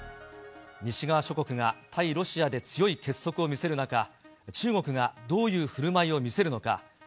西側諸国が対ロシアで強い結束を見せる中、中国がどういうふるまいを見せるのか。